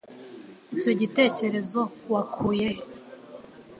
Icyo gitekerezo wakuye he?